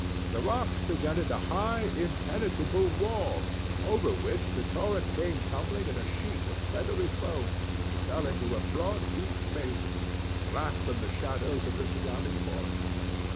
The rocks presented a high impenetrable wall over which the torrent came tumbling in a sheet of feathery foam, and fell into a broad deep basin, black from the shadows of the surrounding forest.